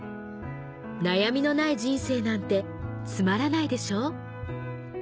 悩みのない人生なんてつまらないでしょ。